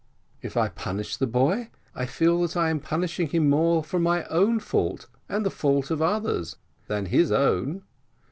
If I punish the boy, I feel that I am punishing him more for my own fault and the fault of others, than his own.